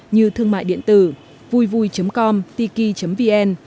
như thương mại điện tử vuivui com tiki vn